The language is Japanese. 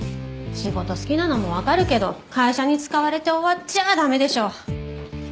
仕事好きなのもわかるけど会社に使われて終わっちゃだめでしょ。